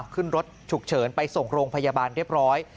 ขึ้นรถฉุกเฉินไปส่งโรงพยาบาลเรียบร้อย